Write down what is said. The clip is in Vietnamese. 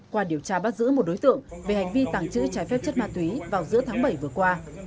qua điều tra bắt giữ một đối tượng về hành vi tàng trữ trái phép chất ma túy vào giữa tháng bảy vừa qua